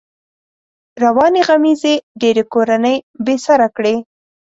روانې غمېزې ډېری کورنۍ بې سره کړې.